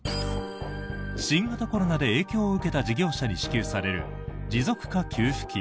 新型コロナで影響を受けた事業者に支給される持続化給付金。